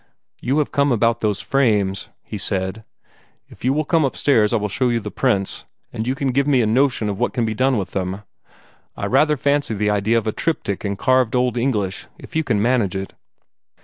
"You have come about those frames," he said. "If you will come upstairs, I will show you the prints, and you can give me a notion of what can be done with them. I rather fancy the idea of a triptych in carved old English, if you can manage it."